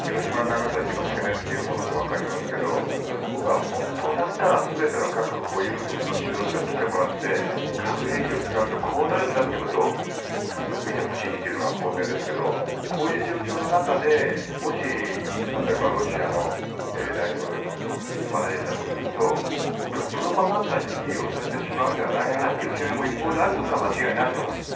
広島、長崎の懸念というのもわかりますけど僕は本当だったら全ての核保有国の指導者に来てもらって核兵器を使うとこうなるんだってことを見てほしいというのが本音ですけどこういう状況の中でもし、例えばロシアの代表を招いたとするとプロパガンダに利用されてしまうんではないかという懸念があることは一方で間違いないと思うんです。